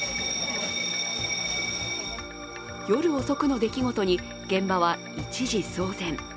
夜遅くの出来事に現場は、一時騒然。